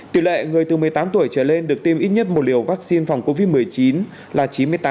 tỷ lệ người từ một mươi tám tuổi trở lên được tiêm ít nhất một liều vaccine phòng covid một mươi chín là chín mươi tám